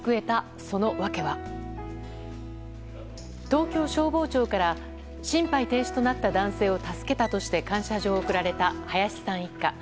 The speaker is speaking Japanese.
東京消防庁から心肺停止となった男性を助けたとして感謝状を贈られた林さん一家。